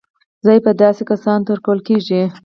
ځای به یې داسې کسانو ته ورکول کېږي.